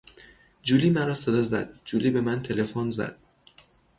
جولی مرا صدا زد، جولی به من تلفن زد.